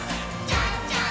じゃんじゃん！